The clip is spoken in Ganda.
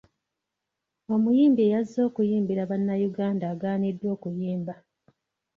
Omuyimbi eyazze okuyimbira Bannayuganda agaaniddwa okuyimba.